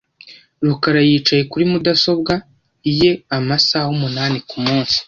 rukara yicara kuri mudasobwa ye amasaha umunani kumunsi .